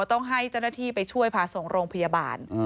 ต้องให้เจ้าหน้าที่ไปช่วยพาส่งโรงพยาบาล